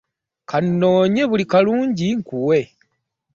Ka nnoonye buli kalungi nkuwe.